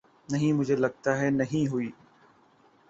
نہیں مجھےلگتا ہے نہیں ہوئی